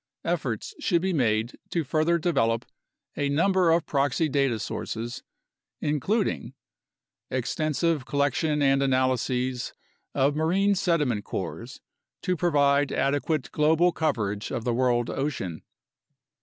Efforts should be made to further develop a number of proxy data sources, including: Extensive collection and analyses of marine sediment cores to pro vide adequate global coverage of the world ocean.